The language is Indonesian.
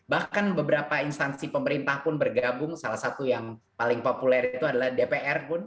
bahkan beberapa instansi pemerintah pun bergabung salah satu yang paling populer itu adalah dpr pun